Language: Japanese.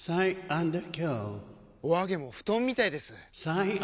お揚げも布団みたいです！